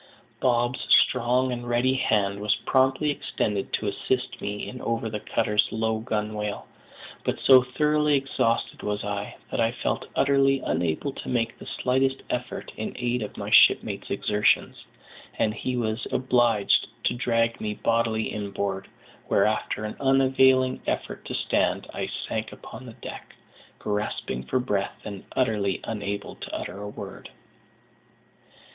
Bob's strong and ready hand was promptly extended to assist me in over the cutter's low gunwale; but so thoroughly exhausted was I, that I felt utterly unable to make the slightest effort in aid of my shipmate's exertions, and he was obliged to drag me bodily inboard, where, after an unavailing effort to stand, I sank upon the deck, gasping for breath, and utterly unable to utter a word.